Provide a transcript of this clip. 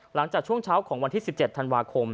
หลังจากช่วงเช้าของวันที่๑๗ธันวาคม